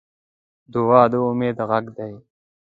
دعا د امید غږ دی.